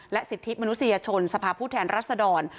สิทธิมนุษยชนสภาพผู้แทนรัศดร